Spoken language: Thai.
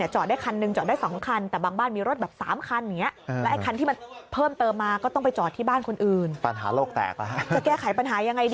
จะทำยังไงดีเลย